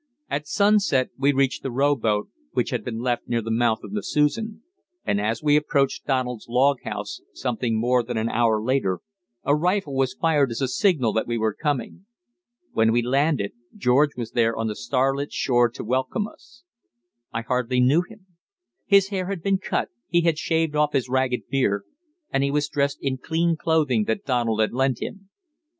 At sunset we reached the rowboat, which had been left near the mouth of the Susan, and as we approached Donald's log house something more than an hour later a rifle was fired as a signal that we were coming. When we landed, George was there on the starlit shore to welcome us. I hardly knew him. His hair had been cut, he had shaved off his ragged beard, and he was dressed in clean clothing that Donald had lent him.